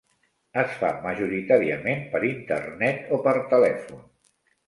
Es fa majoritàriament per Internet o per telèfon.